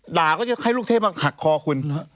ก็จะให้ลูกเทพมาหักคอคุณ